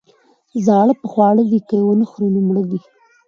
ـ زاړه په خواړه دي، که يې ونخوري نو مړه دي.